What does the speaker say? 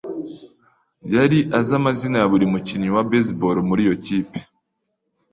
yari azi amazina ya buri mukinnyi wa baseball muri iyo kipe.